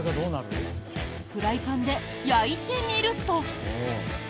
フライパンで焼いてみると。